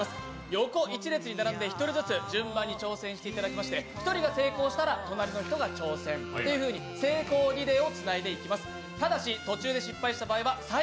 横一列に並んで１人ずつ順番に挑戦していただきまして１人が成功したら隣の人が挑戦というふうに成功リレーをつないでいきます。